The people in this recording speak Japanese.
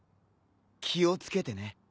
気を付けてね。